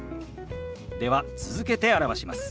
では続けて表します。